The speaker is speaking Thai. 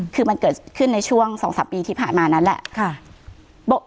คือมันเกิดขึ้นในช่วง๒๓ปีที่ผ่านมานั้นแหละ